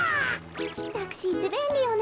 タクシーってべんりよね。